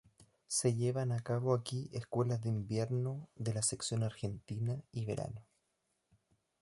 Se llevan a cabo aquí escuelas de invierno de la sección Argentina y verano.